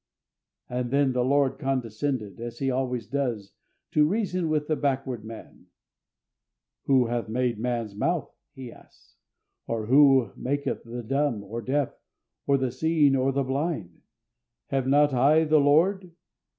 And then the Lord condescended, as He always does, to reason with the backward man. "Who hath made man's mouth?" He asks, "or who maketh the dumb, or deaf, or the seeing, or the blind? have not I the Lord?